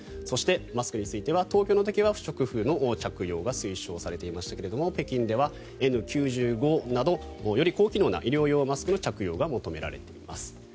そして、マスクについては東京は不織布の着用が推奨されていましたが北京ではＮ９５などより高機能な医療用マスクが着用が求められています。